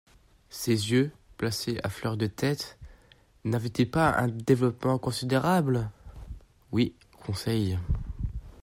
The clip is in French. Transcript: —Ses yeux, placés à fleur de tête, n'avaient-ils pas un développement considérable ? —Oui, Conseil.